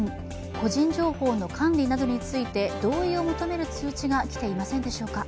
個人情報の管理などについて同意を求める通知が来ていませんでしょうか？